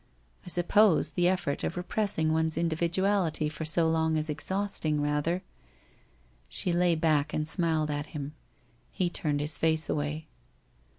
I suppose the effort of repressing one's indi viduality for so long is exhausting, rather ' She lay back, and smiled at him. He turned his face away.